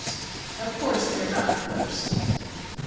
Of course they are not enforced.